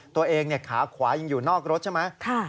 ตัวเองขาขวายิงอยู่นอกรถใช่ไหม